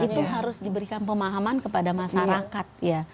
itu harus diberikan pemahaman kepada masyarakat ya